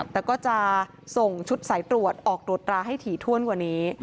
แต่ก็จะส่งชุดสายตรวจออกตรวจตราให้ถี่ถ้วนกว่านี้